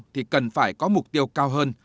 thì cần phải có mục tiêu cao hơn